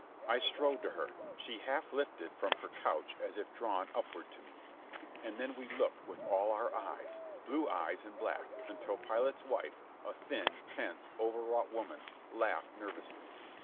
I strode to her. She half lifted from her couch as if drawn upward to me. And then we looked with all our eyes, blue eyes and black, until Pilate's wife, a thin, tense, overwrought woman, laughed nervously.